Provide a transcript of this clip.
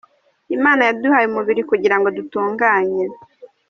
Imana yaduhaye umubiri kugira ngo dutunganye.